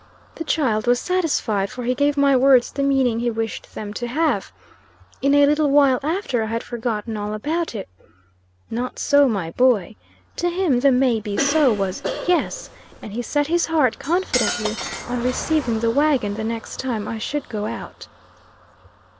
The child was satisfied; for he gave my words the meaning he wished them to have. In a little while after, I had forgotten all about it. Not so my boy. To him the "May be so" was "yes," and he set his heart, confidently, on receiving the wagon the next time I should go out.